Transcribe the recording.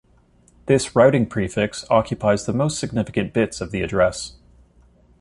This routing prefix occupies the most-significant bits of the address.